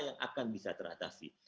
yang akan bisa teratasi